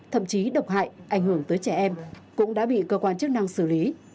thậm chí độc hại ảnh hưởng tới trẻ em cũng đã bị cơ quan chức năng xử lý